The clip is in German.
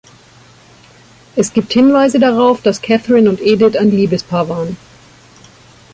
Es gibt Hinweise darauf, dass Katherine und Edith ein Liebespaar waren.